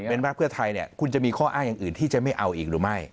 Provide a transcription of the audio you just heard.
นะเป็นแบบคุณจะมีข้ออ้างอย่างอื่นที่จะไม่เอาอีกหรือไม่